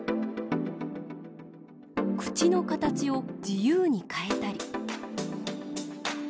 口の形を自由に変えたり。